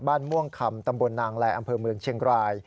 ม่วงคำตำบลนางแลอำเภอเมืองเชียงราย